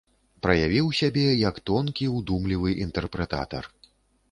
Праявіў сябе як тонкі, удумлівы інтэрпрэтатар.